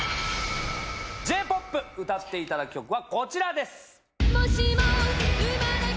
「ＪーＰＯＰ」歌っていただく曲はこちらです。